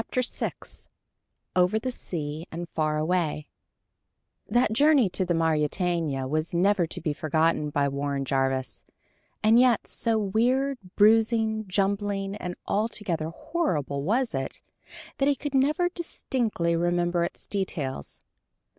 _" VI OVER THE SEA AND FAR AWAY That journey to the Mauretania was never to be forgotten by Warren Jarvis; and yet so weird, bruising, jumbling, and altogether horrible was it, that he could never distinctly remember its details.